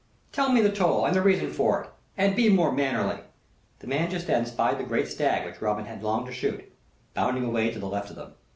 "Tell me the toll, and the reason for it; and be more mannerly." The man just then spied that great stag which Robin had longed to shoot, bounding away to the left of them.